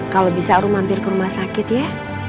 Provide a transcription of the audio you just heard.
kalo bisa umi mampir ke rumah sakit ya